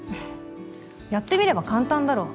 やってみれば簡単だろ。